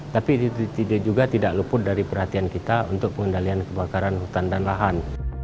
tapi juga tidak luput dari perhatian kita untuk pengendalian kebakaran hutan dan lahan